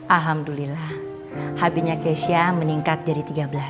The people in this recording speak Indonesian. alhamdulillah habinya keisha meningkat jadi tiga belas